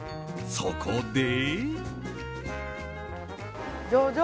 そこで。